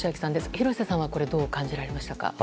廣瀬さんはこれ、どう感じられましたか。